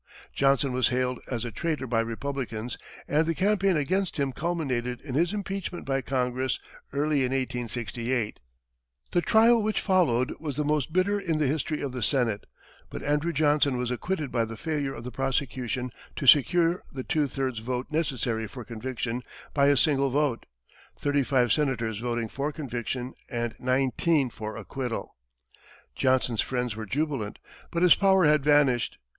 Johnson was hailed as a traitor by Republicans, and the campaign against him culminated in his impeachment by Congress early in 1868. The trial which followed was the most bitter in the history of the Senate, but Andrew Johnson was acquitted by the failure of the prosecution to secure the two thirds vote necessary for conviction by a single vote, thirty five senators voting for conviction and nineteen for acquittal. Johnson's friends were jubilant, but his power had vanished.